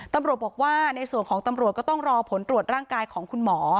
ตำรวจบอกว่าในส่วนของตำรวจก็ต้องรอผลตรวจร่างกายของคุณหมอ